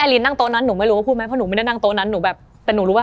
เราหลอกฟรีอยู่แล้ว